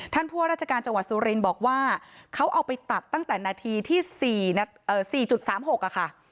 ผู้ว่าราชการจังหวัดสุรินทร์บอกว่าเขาเอาไปตัดตั้งแต่นาทีที่๔๓๖ค่ะ